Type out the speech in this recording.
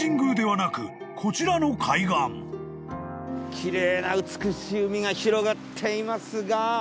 奇麗な美しい海が広がっていますが。